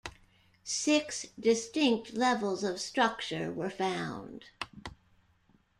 Six distinct levels of structure were found.